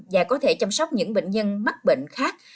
và có thể chăm sóc những bệnh nhân mắc bệnh khác